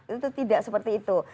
itu tidak seperti itu